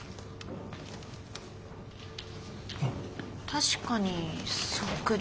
確かにそっくり。